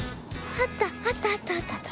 あったあったあったあった。